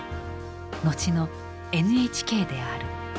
のちのＮＨＫである。